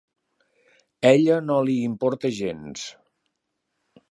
Ella no li importa gens.